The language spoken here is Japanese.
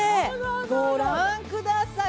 ご覧ください。